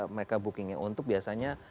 mereka bookingnya untuk biasanya